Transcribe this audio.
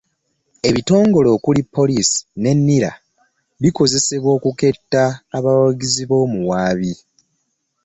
Ebitongole okuli; poliiisi ne NIRA bikozesebwa okuketta abawagizi b'omuwaabi